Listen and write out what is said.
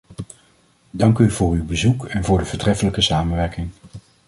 Dank u voor uw bezoek en voor de voortreffelijke samenwerking.